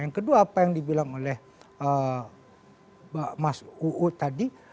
yang kedua apa yang dibilang oleh mas uu tadi